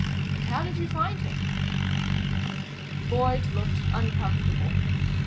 And how did you find him?" Boyd looked uncomfortable.